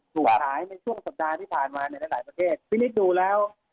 ถูกขายในช่วงสัปดาห์ที่ผ่านมาในหลายประเทศพี่นิดดูแล้ว